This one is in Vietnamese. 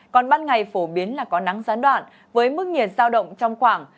còn ban ngày phổ biến là có nắng gián đoạn với mức nhiệt giao động trong khoảng